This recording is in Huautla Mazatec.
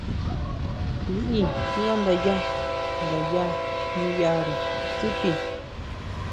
Liʼí tíbándayá ngayá niʼyare tsútii.